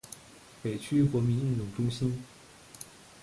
北区国民运动中心